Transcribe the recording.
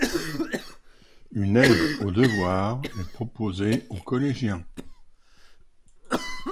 Une aide aux devoirs est proposée aux collégiens.